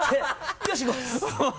よしいこう！